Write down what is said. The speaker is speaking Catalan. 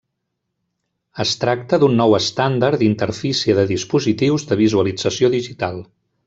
Es tracta d'un nou estàndard d'interfície de dispositius de visualització digital.